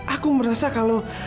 aku merasa kalau